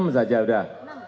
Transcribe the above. enam saja udah